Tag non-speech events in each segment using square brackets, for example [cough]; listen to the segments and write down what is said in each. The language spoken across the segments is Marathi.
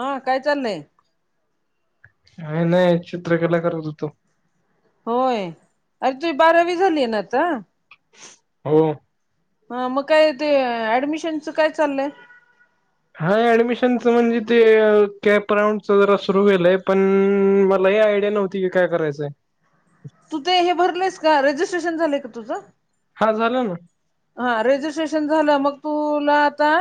आ काय चालंय. काय नाही चित्रकला करत होतो. होय, अरे तुझी बारावी झालीय ना आता. हो. हं.. मग काय ते, ऍडमिशनचं काय चालंय. हा ऍडमिशनच म्हणजे, ते कॅप राऊंडच जरा सुरू व्हायले पण मला हे आयडिया नव्ह ती काय करायचाय. तू ते हे भरलेस का, रजिस्ट्रेशन झालेय का तुझं. हा झालं ना. हा रेजिस्ट्रेशन झालं, मग तुला आता.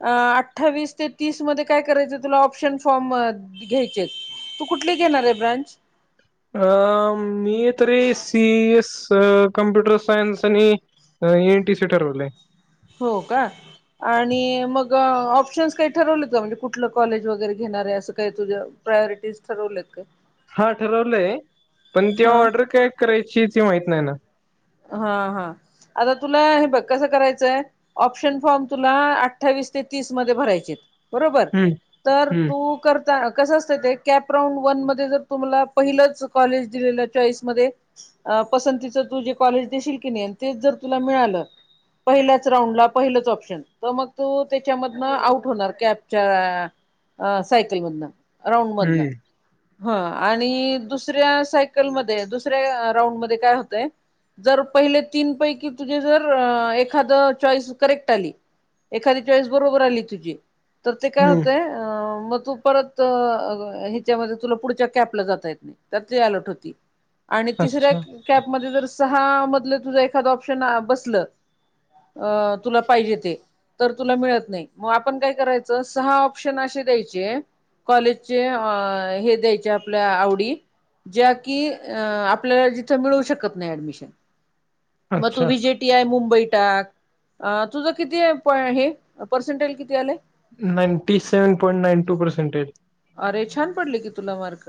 अ अठ्ठावीस ते तीस मध्ये काय करायचं, तुला ऑप्शन फॉर्म घ्यायचेत. तु कुठली घेणार आहे ब्रांच. अ मी तरी सी एस कॉम्प्युटर सायन्स आणि, अ.. एन टी सी ठरवलंय. हो का. आणि मग ऑप्शन्स काही ठरवलेत का, म्हणजे कुठलं कॉलेज वगैरे घेणार आहे असं काय तुझं. प्रायोरिटीज ठरवलेत का. हा ठरवलंय पण ते हा ऑर्डर काय करायची ती माहीत नाही ना. हा हा आता तुला हे बघ कसं करायचंय. ऑप्शन फॉर्म तुला अठ्ठावीस ते तीस मध्ये भरायचेत बरोबर हम्म तर हम्म तू करता कस असत ते कॅप राऊंड वन मदे जर तुम्हाला पहिलंच कॉलेज दिलेल चॉईसमध्ये. अ पसंतीच तू जे कॉलेज देशील की नाही अन तेच जर तुला मिळालं. पहिल्याच राऊंड ला पहिलंच ऑप्शन त मग तू त्याच्यामधनं आउट होणार कॅप च्या अ सायकलमधनं. राऊंड मधन. हम्म ह आणि दुसऱ्या सायकलमध्ये दुसऱ्या राऊंडमध्ये काय होतय जर पहिले तीन पैकी, तुझे जर एखाद चॉईस करेक्ट आली. एखादी चॉईस बरोबर आली तुजी तर ते काय हम्म होतय अ म तू परत ह्याच्यामध्ये तुला पुढच्या कॅपला जातां येत नाही. त्यात ती अलोट होती आणि तिसऱ्या अच्छा कॅप मदे जर सहा मधलं तुझ एखाद ऑप्शन आ बसल अ तुला पाहिजे ते. तर तुला मिळत नाही म आपण काय करायचं सहा ऑप्शन असे द्यायचे कॉलेजचे हे द्यायचे आपल्या आवडी ज्या की अ आपल्याला जिथ मिळू शकत नाही ऍडमिशन मग तू अच्छा व्हि जि ट टी आय मुंबई टाक अ तुझं किती हे पर्सेंटेल किती आले? Ninety seven point nine two percentage. अरे छान पडले की तुला मार्क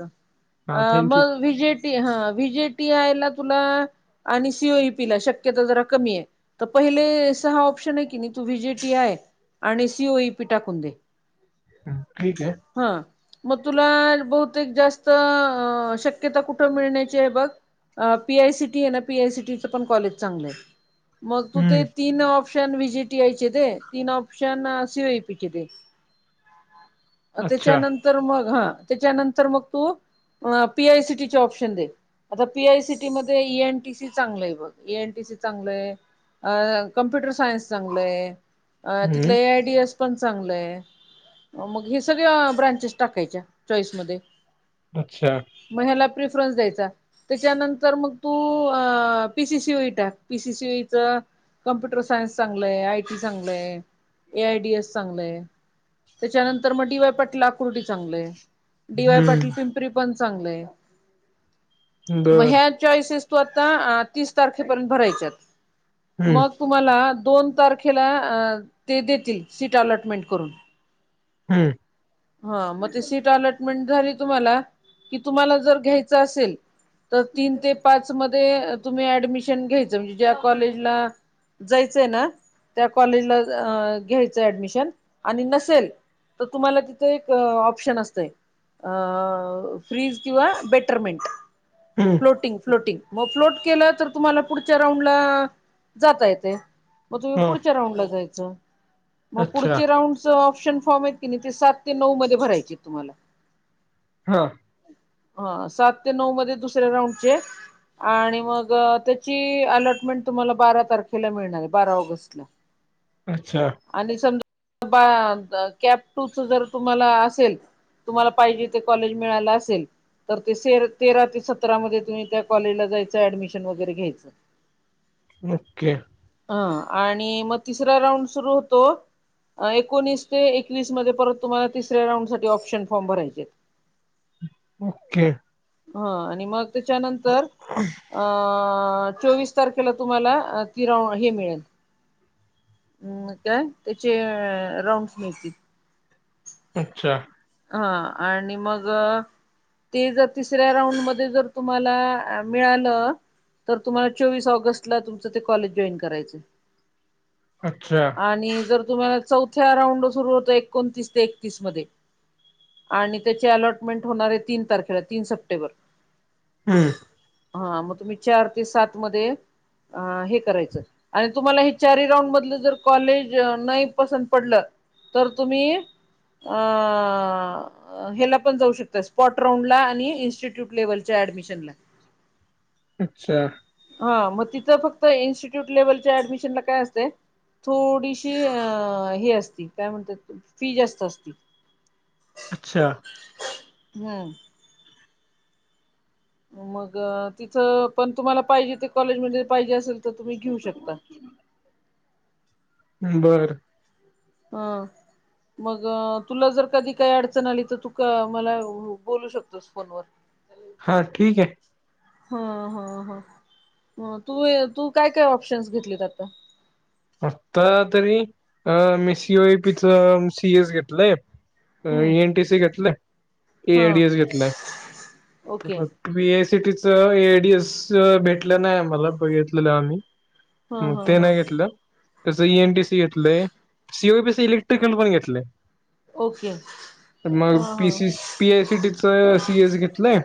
हा अ थँक्यू मग व्ही जि ट हा व्ही जी टी आयला तुला, आणि सी ओ ई पी ला शक्यता जरा कमी आहे. त पहिले सहा ऑप्शन आहे की नाही तू व्हि जे टी आय. आणि सी ओ ई पि टाकुंन दे ह ठीक आहे. हा म तुला बहुतेक जास्त अ शक्यता कुठं मिळण्याची आहे बघ. अ पी आय सी टी आहे ना पी आय सी टी च पण कॉलेज चांगलं आहे मग तू ते. हम्म तीन option V G T I चे दे तीन option C O E P चे दे. [inaudible] अ त्याच्यानंतर मग हा त्याच्यानंतर मग तू अ पी आय सी टी चे ऑप्शन दे. आता पी आय सी टी मध्ये ए एन टी सी चांगलं आहे बघ ए एन टी सी चांगलंय अ कम्प्युटर सायन्स चांगलंय. अ हम्म तिथलं ए आय डी एस पण चांगलंय मग हे सगळ्या ब्रांचेस टाकायच्या चॉईसमध्ये. अच्छा! म ह्याला प्रेफरन्स द्यायचा. त्याच्यानंतर मग तू अ P C C O E टाक P C C O E च. कम्प्युटर सायन्स चांगलंय, आय टी चांगलंय, ए आय डी एस चांगलंय. त्याच्यानंतर म डी वाय पटला आ कुर्डी, चांगलय, डी वाय पाटील हम्म पिंपरी पण चांगलय. म बर ह्या चॉईसेस तू आता अ तीस तारखेपर्यंत भरायच्यात हम्म मग तू म्हाला दोन तारखेला अ ते देतील शीट अलॉटमेंट करून. हू! हा मग ते सीट अलॉटमेंट झाली तुम्हाला कि तुम्हाला जर घ्यायचं असेल त तीन ते पाच मध्ये तुम्ही ऍडमिशन घ्यायच म्हणजे ज्या कॉलेजला जायचंय ना? त्या कॉलेजला अ घ्यायचंय ऍडमिशन, आणि नसेल- त तुम्हाला ति- एक ऑप्शन असतय अ- फ्रीज किंवा बेटरमेंट. हम. फ्लोटिंग. फ्लोटिंग. म फ्लोट केलं तर तुम्हाला पुढच्या राऊंडला जाता येतय. म तुम्ही हा पुढच्या राऊंडला जायचं. म अच्छा पुढच्या राऊंडच ऑप्शन फॉर्म आहेत की नाही ते सात- ते नऊ मध्ये भरायचेत तुम्हाला. हा. हां. सात ते नऊ मध्ये दुसऱ्या राऊंडचे. आणि मग त्याची अलॉटमेंट तुम्हाला बारा तारखेला मिळणार ए. बारा ऑगस्टला. अच्छा. आणि समजा [unintelligible] कॅप टूच जर तुम्हाला असेल. तुम्हाला पाहिजे ते कॉलेज मिळाल असेल. तर ते तेरा ते सतरामध्ये तुम्ही त्या कॉलेजला जायचं ऍडमिशन वगैरे घ्यायचं. ओके. हं. आणि मग तिसरा राऊंड सुरू होतो- अं. एकोणीस ते एकवीस मध्ये परत. तुम्हाला तिसऱ्या राऊंसाठी ऑप्शन फॉर्म भरायचेत. ओके. हं. आणि मग त्याच्यानंतर- ह. अ- चोवीस तारखेला तुम्हाला तिराव हे मिळेल. अम् काय त्याचे राऊंडस मिळतील. अच्छा. हा. आणि मग- ते जर तिसऱ्या राऊंडमध्ये जर तुम्हाला मिळालं- तर तुम्हाला चोवीस ऑगस्ट ला तुमचं ते कॉलेज जॉईन करायचय. अच्छा. आणि जर तुम्हाला चौथ्या राऊंडला सुरू होत एकोणतीस ते एकतीस मध्ये- आणि त्याची अलॉटमेंट होणारे तीन तारखेला. तीन सप्टेंबर. हम्म. हा. मग तुम्ही चार ते सात मध्ये अ हे करायचं. आणि- तुम्हाला हे चारी राऊंड मधले जर कॉलेज नाही पसंत पडलं. तर तुम्ही- अ- अ -हेला पण जाऊ शकताय. स्पॉट राउंडला आणि इन्स्टिट्यूट लेव्हलच्या ऍडमिशनला. अच्छा. हा मग तिथं फक्त इन्स्टिट्यूट लेव्हलच्या ऍडमिशन ला काय असतय? थोडीशी अ हे असती. काय म्हणतात फी जास्त असती. अच्छा. हो. मग तिथं पण तुम्हाला पाहिजे ते कॉलेज पाहिजे असेल तर तुम्ही घेऊ. बरं. अ. मग तुला जर कधी काही अडचण आली तर तू का मला बोलू शकतो. फोन वर. हा ठीक आहे. हा ह ह तू तू काय काय ऑप्शन्स घेतलीत आता. आत्ता तरी अ मी सीओई पीच सीएस घेतलंय. अ हम्म. एन टी सी घेतलय इ हा ए टी एस घेतलाय ओके. परत बी ए सी टीच, ए डी एस भेटलं नाही आम्हाला बघितलेलं आम्ही. हा म हा ते हा. नाही घेतलं. तसं ई एन टी सी घेतलंय, C O P C electrical पण घेतले. ओके! मग हा हा. पी सी पी आय सीटीच सी एस घेतलंय.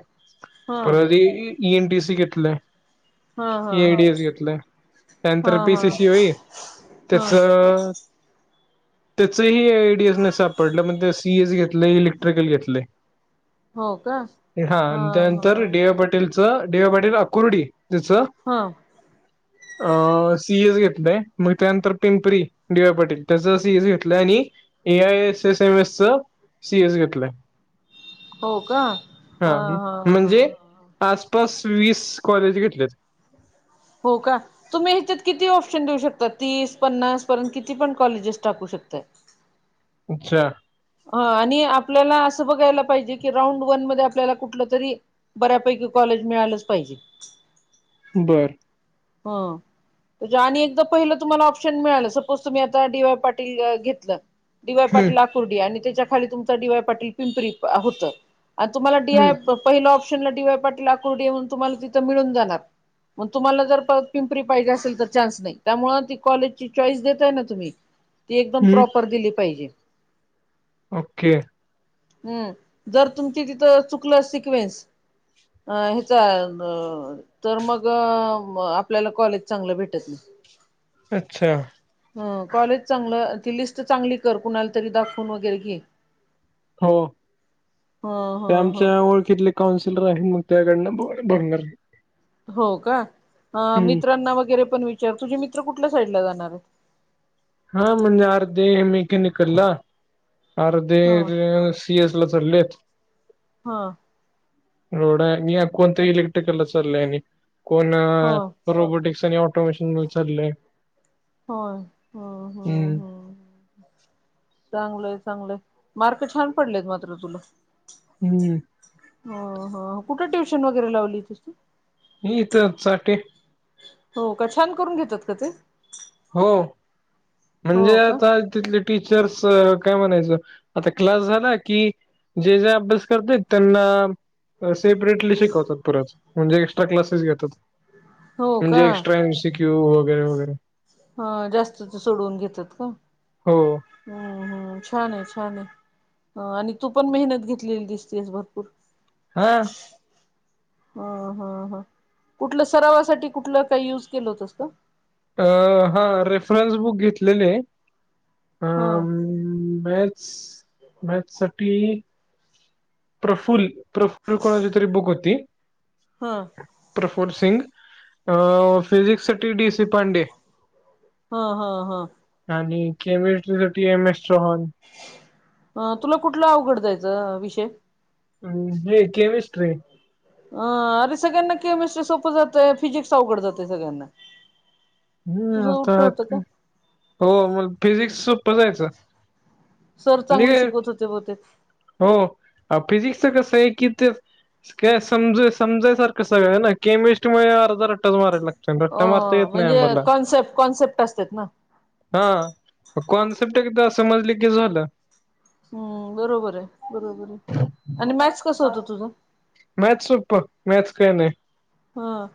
हा परत ई एन टी सी घेतलंय. हा हा हा एडी एस घेतलं, त्यानंतर हा पी हा सी सी होई हा त्याचं त्याचही आयडीएस नाही सापडलं म्हण सीएसी घेतलं इलेक्ट्रिकल घेतलं. हो का? हा आणि त्यानंतर डेवा पाटेलच डेवा पाटील अकुर्डी तिचं हा. अ सी एज घेतलय. मग त्यानंतर पिंपरी डि वाय पाटील त्याचं असं सी एस घेतलं आणि A I S S M S च सी एस घेतलंय. हो का ह हा ह म्हणजे ह. आसपास वीस कॉलेज घेतलेत. हो का? तुम्ही हिच्यात किती ऑप्शन देऊ शकता तीस पन्नास पर्यंत किती पण कॉलेजेस टाकू शकताय. अच्छा! हा आणि आपल्याला असं बघायला पाहिजे की राऊंड वन मध्ये आपल्याला कुठलं तरी बऱ्यापैकी कॉलेज मिळालंच पाहिजे. बरं! हं. त आणि एकदा पहिलं तुम्हाला ऑप्शन मिळालं सपोज तुम्ही आता डी वाय पाटील घेतलं. डी वाय हम्म पाटील आकुर्डी आणि त्याच्याखाली तुमचं डी वाय पाटील पिंपरी होतं आणि तुम्हाला डीआय हम्म पहिल ऑप्शनला डी वाय पाटील अकुर्डी म्हणून तुम्हाला तिथं मिळून जाणारग तुम्हाला जर परत पिंपरी पाहिजे असेल तर चान्स नाही, त्यामुळे ती कॉलेजची चॉईस देतय ना तुम्ही ती एकदम हम्म प्रॉपर दिली पाहिजे‌. ओके! हम, जर तुमची तीथ चुकलं सिक्वेन्स अ ह्याच तर मग आपल्याला कॉलेज चांगलं भेटत नाही. अच्छा! ह कॉलेज चांगलं ती लिस्ट चांगली कर कुणाला तरी दाखवून वगैरे घे. हो ह ह ते ह आमच्या ओळखितले काउन्सिलर आहे मग त्याकडन भंगर हो का, अ हम्म मित्रांना वगैरे पण विचार तुझे मित्र कुठल्या साईडला जाणार आहेत. हा म्हणजे अर्धी मेकॅनिकल ला अर्ध हा सी एस ला चाललेत. हा. रोड कोणत इलेक्ट्रिकलला चालय आणि. कोण हो रोबोटिक्स आणि ऑटोमेशन चाललय होय होय हम्म चांगलय चांगलय मार्क छान पडलेत मात्र तुला हम्म हो हो कुठं ट्युशन वगैरे लावली तुस ही इथं चाटे हो का छान करून घेतात का ते हो हो म्हणजे का आता तिथले टीचर्स काय म्हणायच आता क्लास झाला कि जे जे अभ्यास करतेत त्यांना सेपरेटली शिकवतात परत म्हणजे एक्स्ट्रा क्लासेस घेतात हो म्हणजे का एक्स्ट्रा एमसी क्यू वगैरे वगैरे हं जास्तच सोडवुन घेतात का हो हम्म हम्म छान आहे छान आहे आणि तु पण मेहनत घेतलेली दिसतेस भरपुर हां हा हां हां कुठल सरावासाठी कुठल काही युज केल होतस का अं हा रेफरन्स बुक घेतलेले हां मॅथ्स मॅथ्स साठी प्रफुल प्रफुल कोणाची तरी बुक होती हं प्रफुर सिंग अं फिजिक्स साठी डी सी पांडे हा हा हा आणि केमिस्ट्री साठी एमएस्ट्रा हाॅन अं तुला कुठला अवघड जायचा विषय ह हे केमिस्ट्री अ अरे सगळ्यांना केमिस्ट्री सोप जातोय फिजिक्स अवघड जाते सगळ्यांना हम् तुझं आता उलट होतं का हो मला फिजिक्स सोपा जाायचा सर चांगले शिकवत होते बहुतेक हो फिजिक्सच कस आहे की ते काय समजाय समजा सारखय सगळ ना केमिस्ट्री मध्ये अर्ध रट्टा अ मारता येत नाही म्हणजे आम्हाला कॉन्सेप्ट कॉन्सेप्ट असतेत ना हां कॉन्सेप्ट आहे कि समजल की झाल हम्म बरोबर आहे बरोबर आहे आणि मॅथस कस होत तुझ मॅथ सोप मॅथस काय नाही हा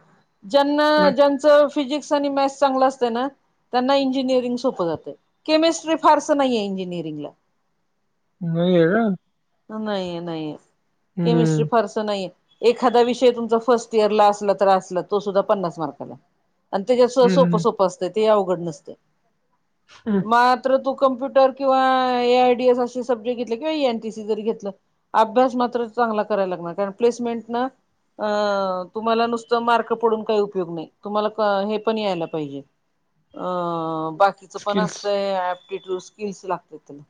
ज्यांना ज्यांच फिजिक्स आणि मॅथस चांगल असते ना त्यांना इंजिनिअरिंग सोप जात केमिस्ट्री फारस नाहीये इंजिनिअरिंगला नाही ये‌ का नाहीे नाही केमिस्ट्री हम्म फार नाही एखादा विषय तुमचा फर्स्ट इयरला असला तर असला तो सुद्धा पन्नास मार्काला अन् आणि तेच्यास सोप हम्म, सोप असत ते अवघड नसते हम मात्र तु कम्प्युटर किंवा ए आय डी एस अशी सब्जेक्ट घेतले किंवा एन टी सी अभ्यास मात्र चांगला करायला लागणार कारण प्लेसमेंट ना अ तुम्हाला नुसतं मार्क पडून काही उपयोग नाही तुम्हाला क हे पण यायला पाहिजे. अ बाकीचं पण स्किल्स. असतंय ॲप [unintelligible] स्किल्स लागतंय त्याला.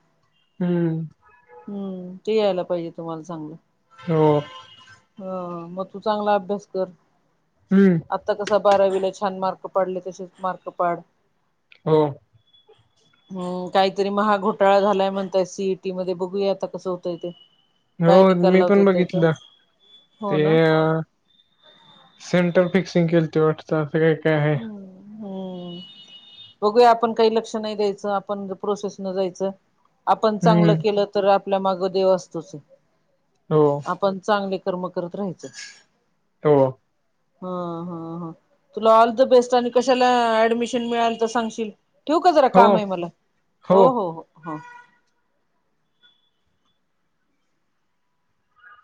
हम्म. हम्म ते यायला पाहिजे तुम्हाला चांगलं. हो. हा म तू चांगला अभ्यास कर. हम्म. आता कसा बारावीला छान पडले तसेच मार्क पाड. हो. हम्म काहीतरी महाघोटाळा झालाय म्हणतय सी ई टी मध्ये बघ घु या आता कसं होतंय ते. काय हो निकाल मी लावतोय पण त्याच बघितलं हो ते ना सेंटर फिक्सिंग केलते वाटतं असं काय-काय आहे. हम्म हम्म बघूया आपण काही लक्ष नाही द्यायचं आपण प्रोसेस न जायचं. आपण हम्म, चांगलं केलं तर आपल्या मागं देव असतोच आहे. हो. आपण चांगले कर्म करत राहायचं. [unintelligible] हा हा हा तुला आल च बेस्ट आणि कशाला ऍडमिशन मिळाल तर सांगशील. ठेवू का जरा हो, काम आहे मला हो हो हो हा.